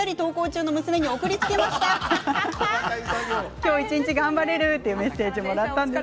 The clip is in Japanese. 今日一日頑張れるというメッセージです。